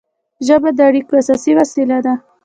ژبه د اړیکو اساسي وسیله ده.